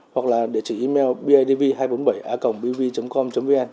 hoặc là địa chỉ email bidv hai trăm bốn mươi bảy a gbv com vn